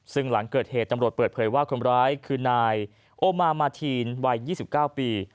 สำรวจเปิดเผยว่าคนร้ายคือนายโอมาร์มาทีนวัย๒๙ปี